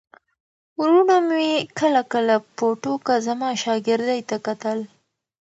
وروڼو به مې کله کله په ټوکه زما شاګردۍ ته کتل.